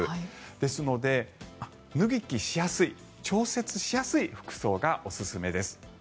ですので、脱ぎ着しやすい調節しやすい服装がおすすめです。